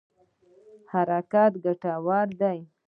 حرکت ګټور دی.